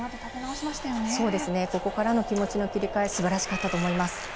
ここからの気持ちの切り替えすばらしかったと思います。